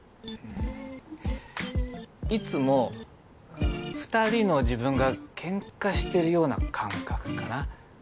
いつも２人の自分がケンカしているような感覚かな。